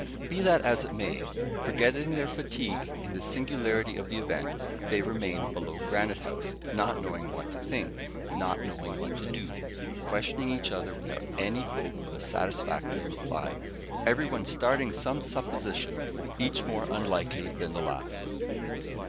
Be that as it may, forgetting their fatigue in the singularity of the event, they remained below Granite House, not knowing what to think, not knowing what to do, questioning each other without any hope of a satisfactory reply, every one starting some supposition each more unlikely than the last.